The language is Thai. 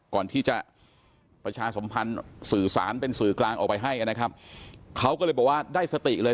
ก่อนที่จะประชาสมพันธ์สื่อสารเป็นสื่อกลางออกไปให้นะครับเขาก็เลยบอกว่าได้สติเลย